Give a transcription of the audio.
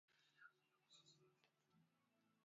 Usultani ulianzishwa wakati Sultani Sayyid Said